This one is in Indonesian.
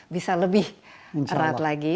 bisa lebih erat lagi